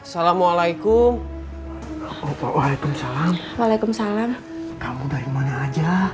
assalamualaikum waalaikumsalam waalaikumsalam kamu dari mana aja